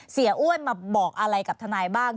เสียอ้วนมาบอกอะไรกับทนายบ้าง